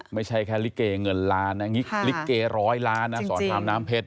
ไม่ใช่แค่ลิเกเงินล้านนะลิเกร้อยล้านนะสอนรามน้ำเพชร